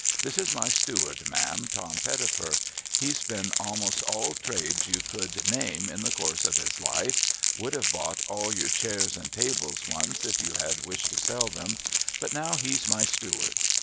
This is my steward, ma'am, Tom Pettifer ; he's been a'most all trades you could name, in the course of his life,— would have bought all your chairs and tables once, if you had wished to sell 'em, — but now he's my steward.